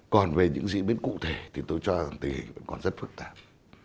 còn về những diễn biến cụ thể thì tôi cho rằng tình hình vẫn còn rất phức tạp